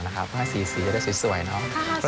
ตั้งแต่ว่าสีจะได้สวยเนาะ